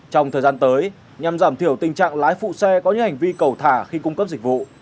trong thời gian tới nhằm giảm thiểu tình trạng lái phụ xe có những hành vi cầu thả khi cung cấp dịch vụ